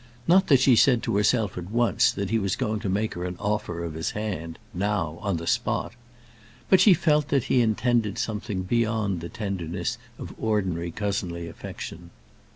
Not that she said to herself at once, that he was going to make her an offer of his hand, now, on the spot; but she felt that he intended something beyond the tenderness of ordinary cousinly affection.